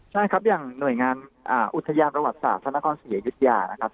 ใช่ครับอย่างหน่วยงานอุทยานประวัติศาสตร์พระนครศรีอยุธยานะครับ